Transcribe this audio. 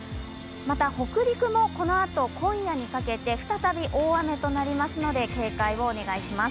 また北陸もこのあと今夜にかけて再び大雨となりますので警戒をお願いします。